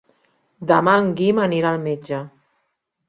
Demà en Guim anirà al metge.